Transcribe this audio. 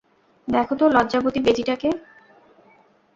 দেখো তো, লজ্জাবতী বেজিটাকে।